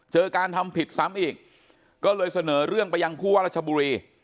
การทำผิดซ้ำอีกก็เลยเสนอเรื่องไปยังผู้ว่ารัชบุรี